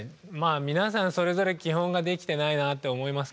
皆さんそれぞれ基本ができてないなって思いますけど。